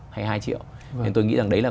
hay hai triệu nên tôi nghĩ rằng đấy là